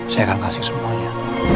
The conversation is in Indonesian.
saya akan kasih semuanya